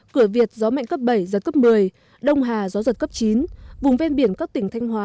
cửa việt gió mạnh cấp bảy giật cấp một mươi đông hà gió giật cấp chín vùng ven biển các tỉnh thanh hóa